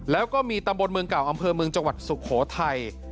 แล้วก็มีตำบลเมืองเก่าอำเภอเมืองจังหวัดสุโขทัย